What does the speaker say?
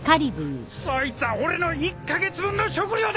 そいつぁ俺の１カ月分の食料だ！